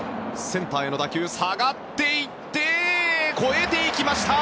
センターへの打球下がっていって越えていきました！